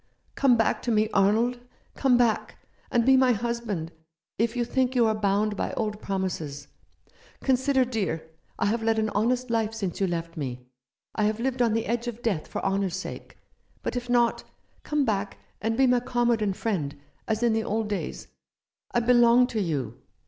" Come back to me, Arnold. Come back, and be my husband, if you think you are bound by old promises. Consider, dear, I have led an honest life since you left me. I have lived on the edge of death for honour's sake. But if not, come back and be my comrade and friend, as in the old days. I belong to you.